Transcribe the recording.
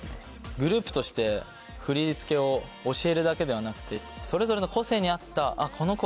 グループとして振り付けを教えるだけではなくてそれぞれの個性に合った。